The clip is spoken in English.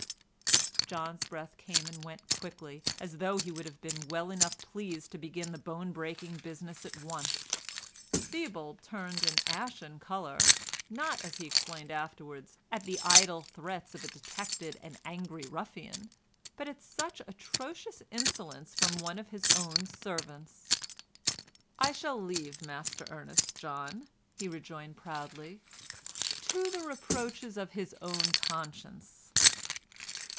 John's breath came and went quickly, as though he would have been well enough pleased to begin the bone breaking business at once. Theobald turned of an ashen colour—not, as he explained afterwards, at the idle threats of a detected and angry ruffian, but at such atrocious insolence from one of his own servants. "I shall leave Master Ernest, John," he rejoined proudly, "to the reproaches of his own conscience."